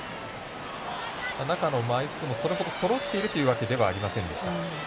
中の枚数もそれほどそろっているというわけではありませんでした。